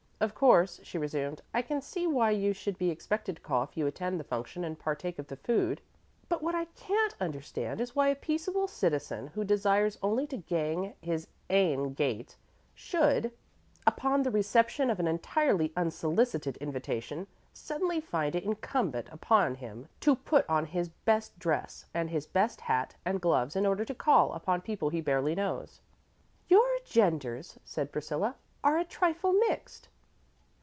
"Of course," she resumed, "I can see why you should be expected to call if you attend the function and partake of the food; but what I can't understand is why a peaceable citizen who desires only to gang his ain gait should, upon the reception of an entirely unsolicited invitation, suddenly find it incumbent upon him to put on his best dress and his best hat and gloves in order to call upon people he barely knows." "Your genders," said Priscilla, "are a trifle mixed."